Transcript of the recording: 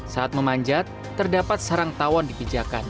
saat memanjat terdapat sarang tawon dipijakan